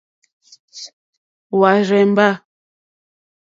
Hwá rzèmbá.